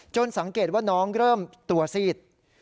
สังเกตว่าน้องเริ่มตัวซีด